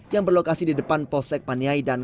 yang berlokasi di depan polsek paniai dan